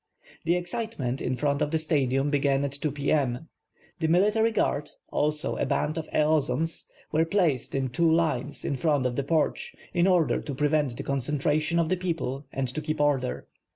The excitement in front of the Stadium began at 2 p. m. The military guard, also a band of eozonos, were placed in two lines in front of the porch, in order to prevent the concentration of the people and to keep order.